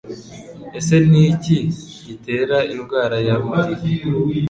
Ese ni iki gitera indwara ya mugiga?